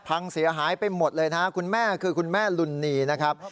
พังเสียหายไปหมดเลยนะครับคุณแม่คือคุณแม่ลุนีนะครับ